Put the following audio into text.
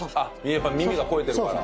やっぱ耳が肥えてるから。